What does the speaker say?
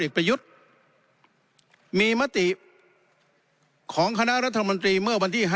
ประยุทธ์มีมติของคณะรัฐมนตรีเมื่อวันที่๕